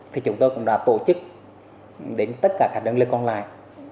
thì chúng tôi cũng đã tổ chức đến tất cả các đơn lực còn lại